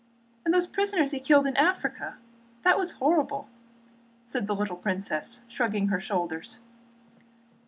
"And the prisoners he killed in Africa? That was horrible!" said the little princess, shrugging her shoulders.